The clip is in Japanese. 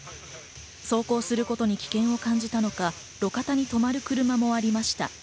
走行することに危険を感じたのか路肩に止まる車もありました。